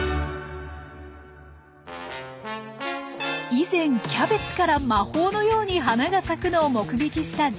以前キャベツから魔法のように花が咲くのを目撃した純さん。